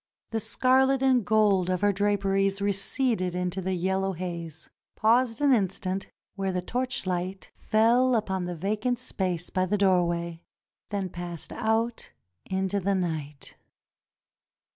The scarlet and gold of her draperies receded into the yellow haze — paused an instant where the torchlight fell upon the vacant space by the door way, then passed out into the night.